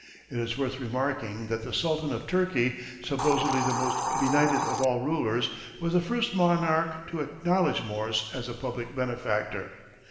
It is worth remarking that the Sultan of Turkey, supposedly the most benighted of all rulers, was the first monarch to acknowledge Morse as a public benefactor.